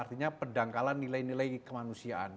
artinya pendangkalan nilai nilai kemanusiaan